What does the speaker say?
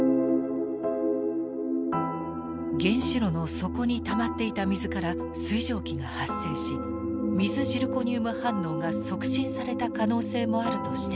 原子炉の底にたまっていた水から水蒸気が発生し水ジルコニウム反応が促進された可能性もあるとしています。